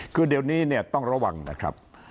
คือเดี๋ยวนี้เนี่ยต้องระวังนะครับ